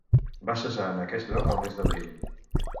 Va cessar en aquest lloc el mes d'abril.